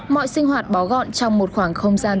mọi sinh hoạt bó gọn trong một khoảng không gian